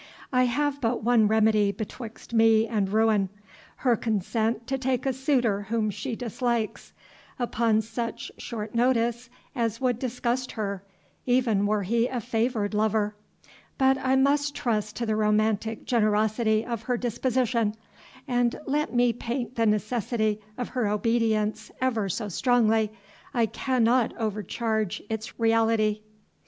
I have but one remedy betwixt me and ruin her consent to take a suitor whom she dislikes, upon such short notice as would disgust her, even were he a favoured lover But I must trust to the romantic generosity of her disposition; and let me paint the necessity of her obedience ever so strongly, I cannot overcharge its reality."